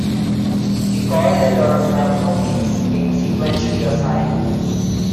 The call letters have no meaning, being sequentially assigned.